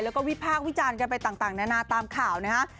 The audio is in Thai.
แล้วก็วิพากษ์วิจารณ์กันไปต่างนานาตามข่าวนะฮะ